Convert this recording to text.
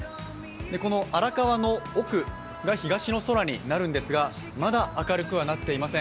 この荒川の奥が東の空になるんですがまだ明るくはなっていません。